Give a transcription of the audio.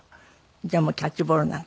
じゃあもうキャッチボールなんか。